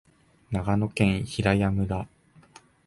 長野県平谷村